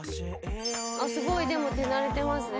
すごいでも手慣れてますね。